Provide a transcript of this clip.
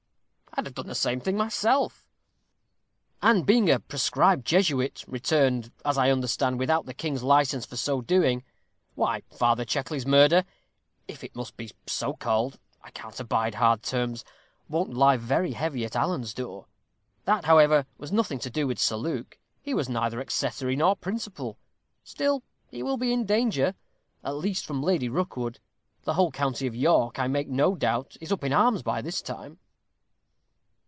I'd have done the same thing myself; and, being a proscribed Jesuit, returned, as I understand, without the king's license for so doing, why Father Checkley's murder if it must be so called, I can't abide hard terms won't lie very heavy at Alan's door. That, however, has nothing to do with Sir Luke. He was neither accessory nor principal. Still he will be in danger, at least from Lady Rookwood. The whole county of York, I make no doubt, is up in arms by this time."